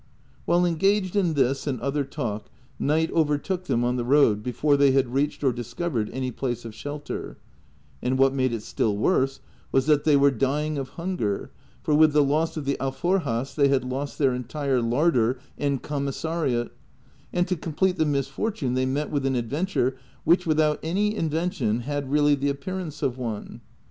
While engaged in this and other talk, night overtook them on the road before they had reached or discovered any place of shelter ; and what made it still worse was that they were dying of hunger, for with the loss of the alforjas they had lost their entire larder and commissariat ; and to complete the misfortune they met with an adventure which without any invention had really the appearance of one.